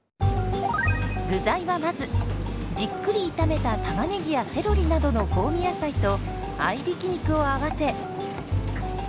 具材はまずじっくり炒めたタマネギやセロリなどの香味野菜と合いびき肉を合わせ。